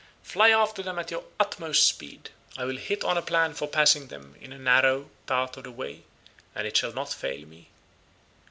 Fly after them at your utmost speed; I will hit on a plan for passing them in a narrow part of the way, and it shall not fail me."